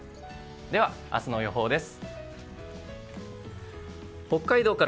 では、明日の予報です。